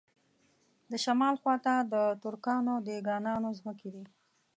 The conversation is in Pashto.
د شمال خواته د ترکانو او دېګانانو ځمکې دي.